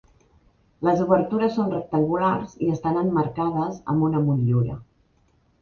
Les obertures són rectangulars i estan emmarcades amb una motllura.